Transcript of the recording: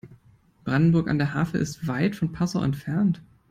Brandenburg an der Havel ist weit von Passau entfernt